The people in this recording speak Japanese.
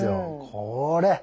これ。